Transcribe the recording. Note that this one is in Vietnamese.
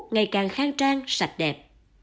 ngày càng kháng trang sạch đẹp